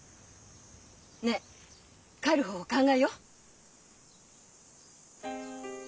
ねえ帰る方法考えよう？